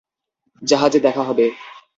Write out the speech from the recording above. জাহাজে দেখা হবে।